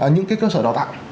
những cái cơ sở đào tạo